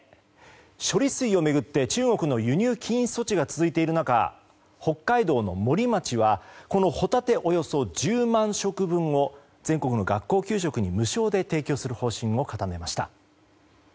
処理水を巡って、中国の輸入禁止措置が続いている中北海道の森町はこのホタテおよそ１０万食分を全国の学校給食に無償で提供する方針を固めました。